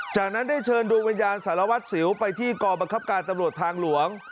จากนั้นได้เชิญดวงวิญญาณสารวัตรสิวไปที่กรบังคับการตำรวจทางหลวง